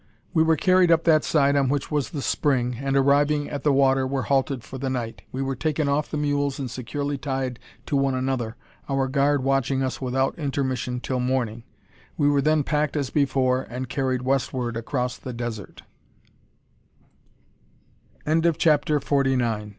We were carried up that side on which was the spring, and, arriving at the water, were halted for the night. We were taken off the mules and securely tied to one another, our guard watching us without intermission till morning. We were then packed as before and carried westward across the desert. CHAPTER FIFTY. A FAST DYE.